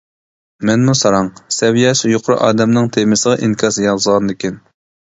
مەنمۇ ساراڭ، سەۋىيەسى يۇقىرى ئادەمنىڭ تېمىسىغا ئىنكاس يازغاندىكىن.